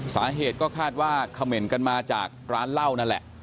สาเหตุก็คาดว่าเขม่นกันมาจากร้านเหล้านั่นแหละ